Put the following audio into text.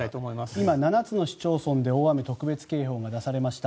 今、７つの市町村で大雨特別警報が出されました。